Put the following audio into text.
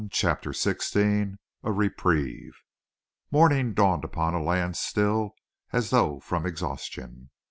CHAPTER XVI A REPRIEVE Morning dawned upon a land still as though from exhaustion.